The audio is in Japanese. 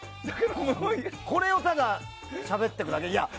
これをただしゃべってくだけ？